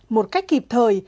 một cách kịp thời